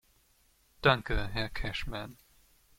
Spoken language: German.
Danke, Herr Cashman.